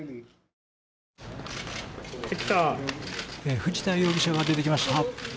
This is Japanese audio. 藤田容疑者が出てきました。